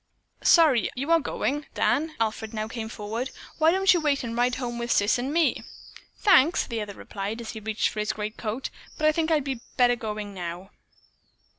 "Sorry you are going, Dan," Alfred now came forward. "Why don't you wait and ride home with Sis and me?" "Thanks," the other replied as he reached for his great coat. "I think I would better be going now."